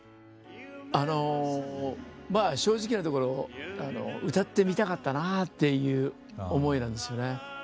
あのまあ正直なところ歌ってみたかったなあっていう思いなんですよね。